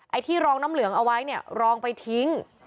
ไอ้ที่รองน้ำเหลืองเอาไว้เนี่ยรองไปทิ้ง